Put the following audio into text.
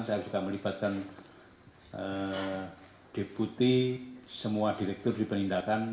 saya juga melibatkan deputi semua direktur di penindakan